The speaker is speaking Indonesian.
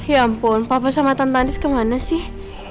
ya ampun papa sama tante andis kemana sih